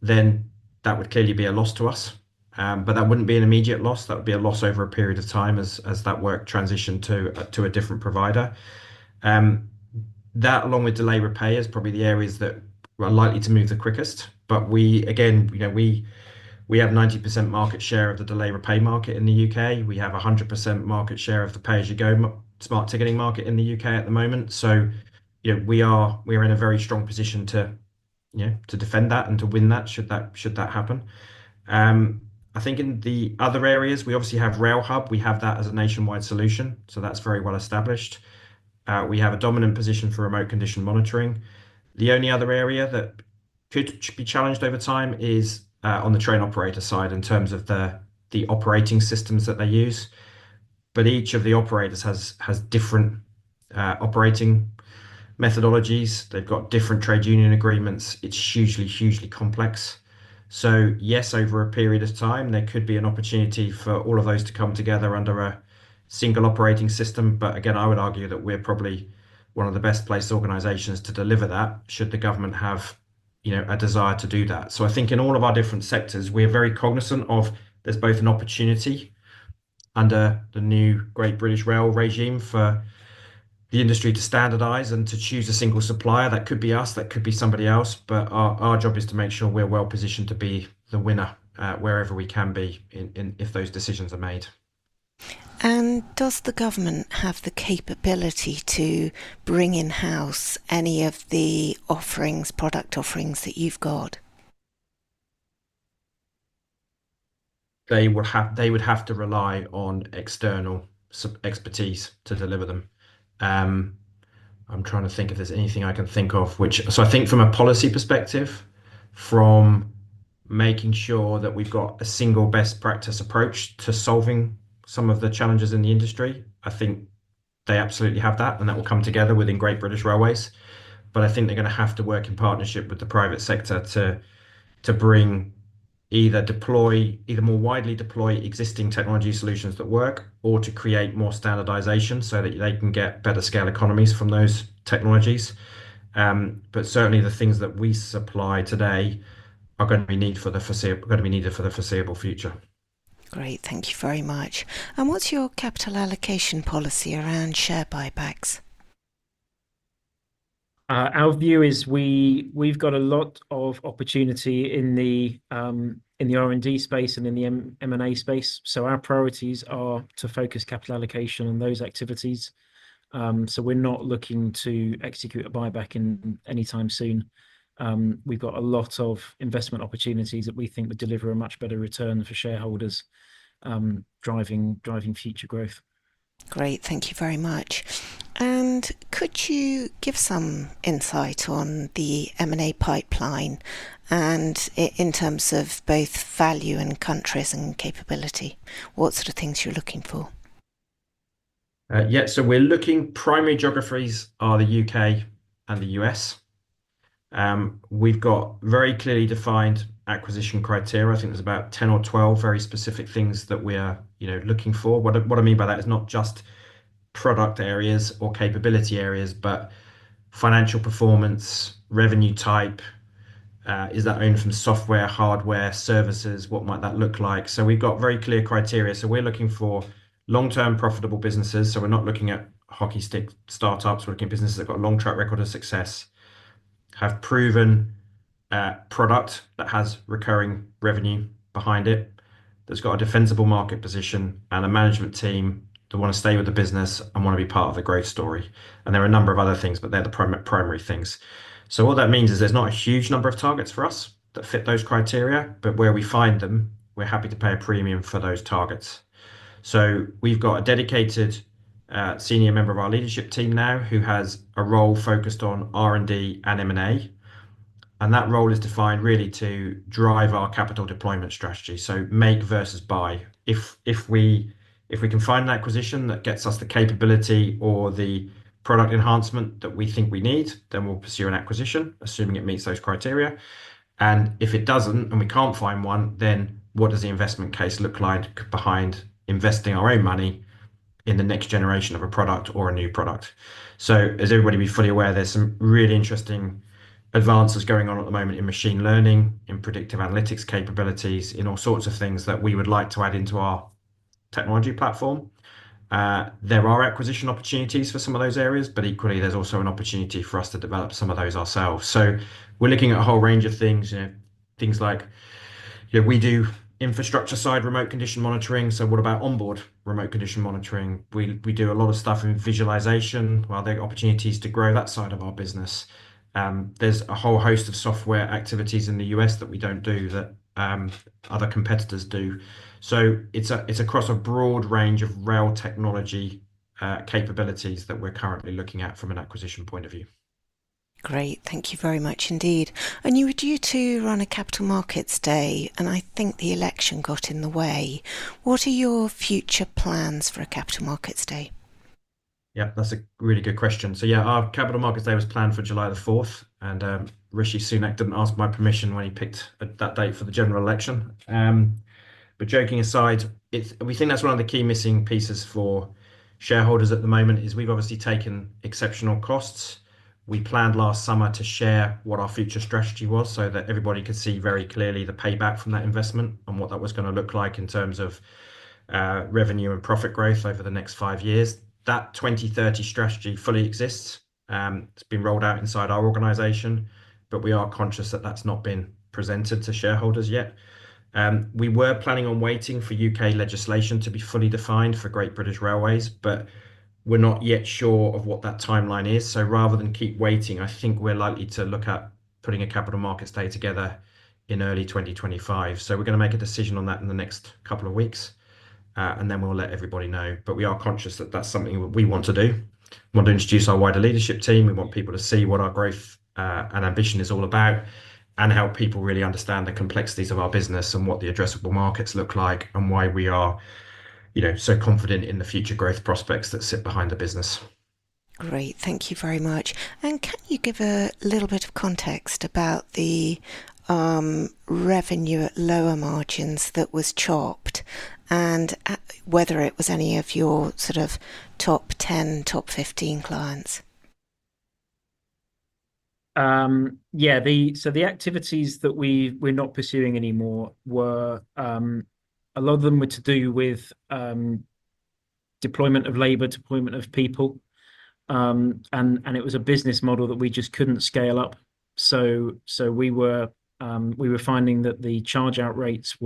then that would clearly be a loss to us. But that wouldn't be an immediate loss. That would be a loss over a period of time as that work transitioned to a different provider. That, along with Delay Repay, is probably the areas that are likely to move the quickest. But again, we have 90% market share of the Delay Repay market in the UK. We have 100% market share of the Pay As You Go smart ticketing market in the UK at the moment. So we are in a very strong position to defend that and to win that should that happen. I think in the other areas, we obviously have RailHub. We have that as a nationwide solution. So that's very well established. We have a dominant position for remote condition monitoring. The only other area that could be challenged over time is on the train operator side in terms of the operating systems that they use. But each of the operators has different operating methodologies. They've got different trade union agreements. It's hugely, hugely complex. So yes, over a period of time, there could be an opportunity for all of those to come together under a single operating system. But again, I would argue that we're probably one of the best-placed organizations to deliver that should the government have a desire to do that. So I think in all of our different sectors, we're very cognizant that there's both an opportunity under the new Great British Railways regime for the industry to standardize and to choose a single supplier. That could be us. That could be somebody else. But our job is to make sure we're well positioned to be the winner wherever we can be if those decisions are made. And does the government have the capability to bring in-house any of the product offerings that you've got? They would have to rely on external expertise to deliver them. I'm trying to think if there's anything I can think of. So I think from a policy perspective, from making sure that we've got a single best practice approach to solving some of the challenges in the industry, I think they absolutely have that, and that will come together within Great British Railways. But I think they're going to have to work in partnership with the private sector to either more widely deploy existing technology solutions that work or to create more standardization so that they can get better scale economies from those technologies. But certainly, the things that we supply today are going to be needed for the foreseeable future. Great. Thank you very much. And what's your capital allocation policy around share buybacks? Our view is we've got a lot of opportunity in the R&D space and in the M&A space. So our priorities are to focus capital allocation on those activities. So we're not looking to execute a buyback anytime soon. We've got a lot of investment opportunities that we think would deliver a much better return for shareholders, driving future growth. Great. Thank you very much. Could you give some insight on the M&A pipeline and in terms of both value and countries and capability? What sort of things you're looking for? Yeah. So our primary geographies are the U.K. and the U.S. We've got very clearly defined acquisition criteria. I think there's about 10 or 12 very specific things that we are looking for. What I mean by that is not just product areas or capability areas, but financial performance, revenue type, is it from software, hardware, services, what might that look like? So we've got very clear criteria. So we're looking for long-term profitable businesses. So we're not looking at hockey stick startups. We're looking at businesses that have got a long track record of success, have proven product that has recurring revenue behind it, that's got a defensible market position and a management team that want to stay with the business and want to be part of the growth story. And there are a number of other things, but they're the primary things. So what that means is there's not a huge number of targets for us that fit those criteria, but where we find them, we're happy to pay a premium for those targets. So we've got a dedicated senior member of our leadership team now who has a role focused on R&D and M&A. And that role is defined really to drive our capital deployment strategy. So make versus buy. If we can find an acquisition that gets us the capability or the product enhancement that we think we need, then we'll pursue an acquisition, assuming it meets those criteria, and if it doesn't and we can't find one, then what does the investment case look like behind investing our own money in the next generation of a product or a new product, so as everybody be fully aware, there's some really interesting advances going on at the moment in machine learning, in predictive analytics capabilities, in all sorts of things that we would like to add into our technology platform. There are acquisition opportunities for some of those areas, but equally, there's also an opportunity for us to develop some of those ourselves, so we're looking at a whole range of things, things like we do infrastructure side remote condition monitoring, so what about onboard remote condition monitoring? We do a lot of stuff in visualization. Well, there are opportunities to grow that side of our business. There's a whole host of software activities in the U.S. that we don't do that other competitors do. So it's across a broad range of rail technology capabilities that we're currently looking at from an acquisition point of view. Great. Thank you very much indeed. And you were due to run a Capital Markets Day, and I think the election got in the way. What are your future plans for a Capital Markets Day? Yep, that's a really good question. So yeah, our Capital Markets Day was planned for July the 4th, and Rishi Sunak didn't ask my permission when he picked that date for the general election. But joking aside, we think that's one of the key missing pieces for shareholders at the moment is we've obviously taken exceptional costs. We planned last summer to share what our future strategy was so that everybody could see very clearly the payback from that investment and what that was going to look like in terms of revenue and profit growth over the next five years. That 2030 strategy fully exists. It's been rolled out inside our organization, but we are conscious that that's not been presented to shareholders yet. We were planning on waiting for U.K. legislation to be fully defined for Great British Railways, but we're not yet sure of what that timeline is. So rather than keep waiting, I think we're likely to look at putting a Capital Markets Day together in early 2025. So we're going to make a decision on that in the next couple of weeks, and then we'll let everybody know. But we are conscious that that's something that we want to do. We want to introduce our wider leadership team. We want people to see what our growth and ambition is all about and help people really understand the complexities of our business and what the addressable markets look like and why we are so confident in the future growth prospects that sit behind the business. Great. Thank you very much. And can you give a little bit of context about the revenue at lower margins that was chopped and whether it was any of your sort of top 10, top 15 clients? Yeah. So the activities that we're not pursuing anymore were, a lot of them were to do with deployment of labor, deployment of people. And it was a business model that we just couldn't scale up. So we were finding that the charge-out rates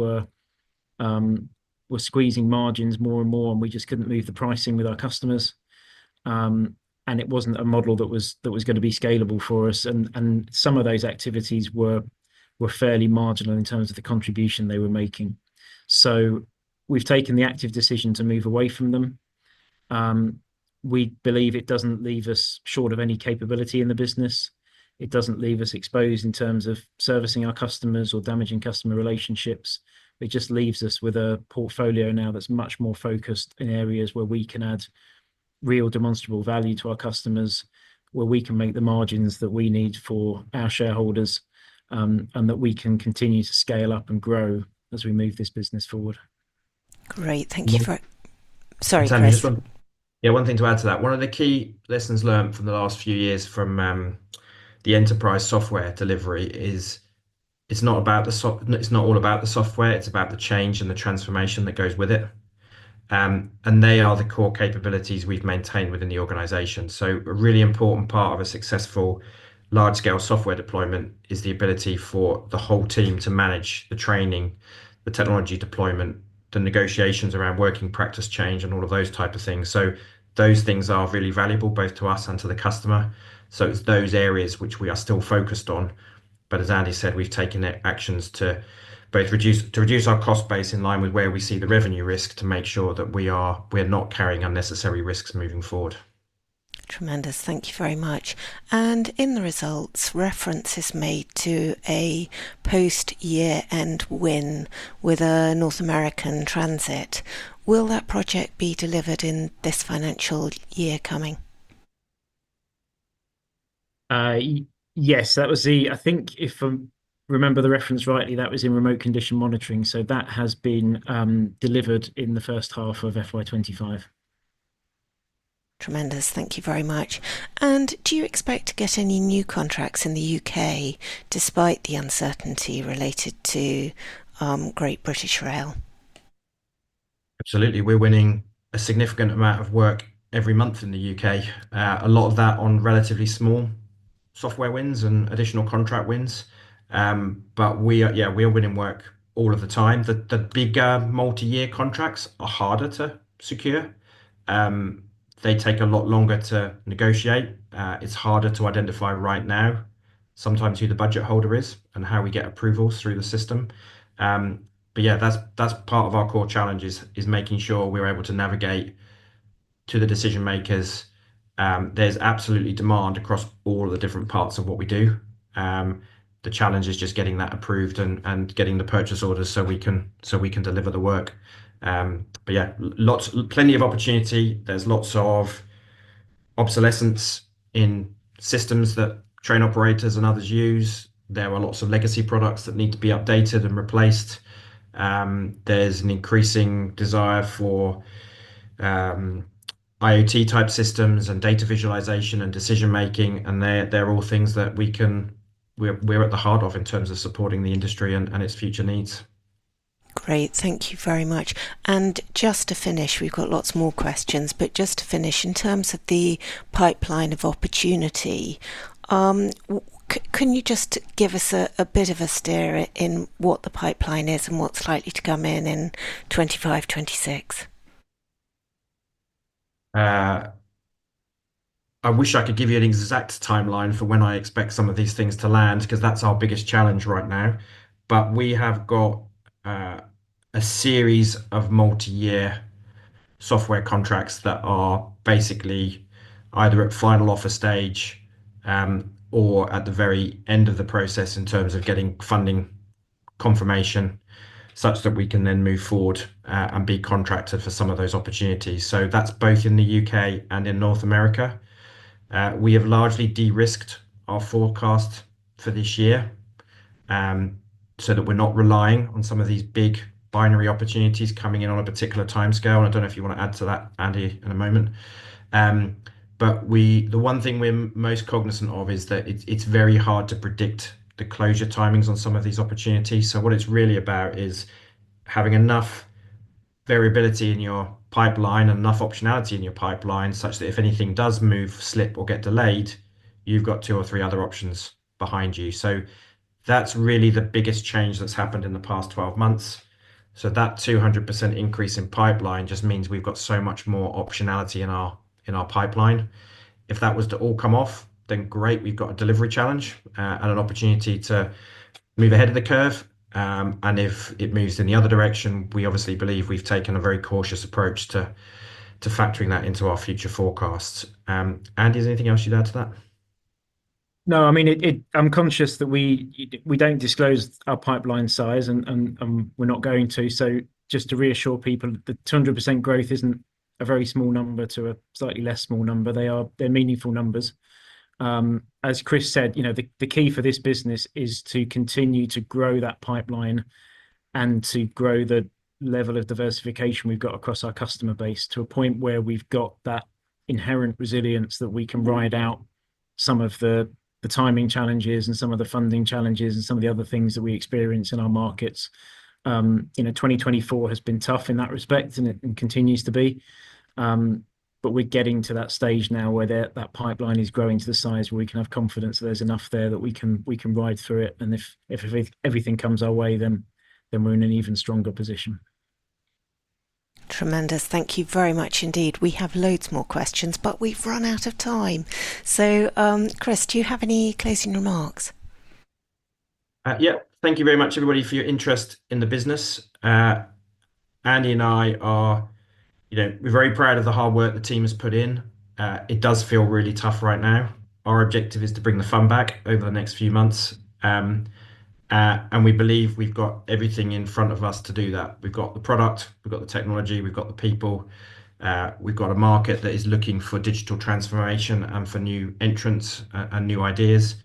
were squeezing margins more and more, and we just couldn't move the pricing with our customers. And it wasn't a model that was going to be scalable for us. And some of those activities were fairly marginal in terms of the contribution they were making. So we've taken the active decision to move away from them. We believe it doesn't leave us short of any capability in the business. It doesn't leave us exposed in terms of servicing our customers or damaging customer relationships. It just leaves us with a portfolio now that's much more focused in areas where we can add real demonstrable value to our customers, where we can make the margins that we need for our shareholders, and that we can continue to scale up and grow as we move this business forward. Great. Thank you for, sorry, Chris. Yeah, one thing to add to that. One of the key lessons learned from the last few years from the enterprise software delivery is, it's not all about the software. It's about the change and the transformation that goes with it. And they are the core capabilities we've maintained within the organization. So a really important part of a successful large-scale software deployment is the ability for the whole team to manage the training, the technology deployment, the negotiations around working practice change, and all of those types of things. So those things are really valuable both to us and to the customer. So it's those areas which we are still focused on. But as Andy said, we've taken actions to both reduce our cost base in line with where we see the revenue risk to make sure that we are not carrying unnecessary risks moving forward. Tremendous. Thank you very much. And in the results, reference is made to a post-year-end win with a North American transit. Will that project be delivered in this financial year coming? Yes. I think if I remember the reference rightly, that was in Remote Condition Monitoring. So that has been delivered in the first half of FY25. Tremendous. Thank you very much. And do you expect to get any new contracts in the U.K. despite the uncertainty related to Great British Railways? Absolutely. We're winning a significant amount of work every month in the U.K. A lot of that on relatively small software wins and additional contract wins. But yeah, we're winning work all of the time. The bigger multi-year contracts are harder to secure. They take a lot longer to negotiate. It's harder to identify right now sometimes who the budget holder is and how we get approvals through the system. But yeah, that's part of our core challenge is making sure we're able to navigate to the decision makers. There's absolutely demand across all of the different parts of what we do. The challenge is just getting that approved and getting the purchase orders so we can deliver the work. But yeah, plenty of opportunity. There's lots of obsolescence in systems that train operators and others use. There are lots of legacy products that need to be updated and replaced. There's an increasing desire for IoT-type systems and data visualization and decision-making. And they're all things that we're at the heart of in terms of supporting the industry and its future needs. Great. Thank you very much. And just to finish, we've got lots more questions. But just to finish, in terms of the pipeline of opportunity, can you just give us a bit of a steer in what the pipeline is and what's likely to come in in 2025, 2026? I wish I could give you an exact timeline for when I expect some of these things to land because that's our biggest challenge right now. But we have got a series of multi-year software contracts that are basically either at final offer stage or at the very end of the process in terms of getting funding confirmation such that we can then move forward and be contracted for some of those opportunities. So that's both in the U.K. and in North America. We have largely de-risked our forecast for this year so that we're not relying on some of these big binary opportunities coming in on a particular timescale. I don't know if you want to add to that, Andy, in a moment. The one thing we're most cognizant of is that it's very hard to predict the closure timings on some of these opportunities. What it's really about is having enough variability in your pipeline and enough optionality in your pipeline such that if anything does move, slip, or get delayed, you've got two or three other options behind you. That's really the biggest change that's happened in the past 12 months. That 200% increase in pipeline just means we've got so much more optionality in our pipeline. If that was to all come off, then great, we've got a delivery challenge and an opportunity to move ahead of the curve. And if it moves in the other direction, we obviously believe we've taken a very cautious approach to factoring that into our future forecasts. Andy, is there anything else you'd add to that? No, I mean, I'm conscious that we don't disclose our pipeline size and we're not going to. So just to reassure people, the 200% growth isn't a very small number to a slightly less small number. They're meaningful numbers. As Chris said, the key for this business is to continue to grow that pipeline and to grow the level of diversification we've got across our customer base to a point where we've got that inherent resilience that we can ride out some of the timing challenges and some of the funding challenges and some of the other things that we experience in our markets. 2024 has been tough in that respect and continues to be. But we're getting to that stage now where that pipeline is growing to the size where we can have confidence that there's enough there that we can ride through it. And if everything comes our way, then we're in an even stronger position. Tremendous. Thank you very much indeed. We have loads more questions, but we've run out of time. So Chris, do you have any closing remarks? Yep. Thank you very much, everybody, for your interest in the business. Andy and I are very proud of the hard work the team has put in. It does feel really tough right now. Our objective is to bring the fun back over the next few months. And we believe we've got everything in front of us to do that. We've got the product, we've got the technology, we've got the people. We've got a market that is looking for digital transformation and for new entrants and new ideas.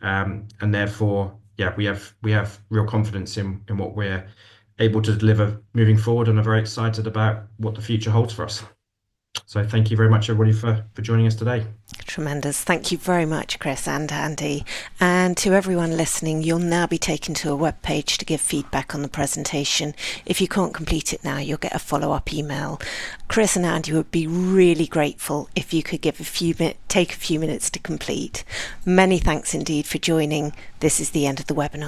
And therefore, yeah, we have real confidence in what we're able to deliver moving forward and are very excited about what the future holds for us, so thank you very much, everybody, for joining us today. Tremendous. Thank you very much, Chris and Andy, and to everyone listening, you'll now be taken to a webpage to give feedback on the presentation. If you can't complete it now, you'll get a follow-up email. Chris and Andy would be really grateful if you could take a few minutes to complete. Many thanks indeed for joining. This is the end of the webinar.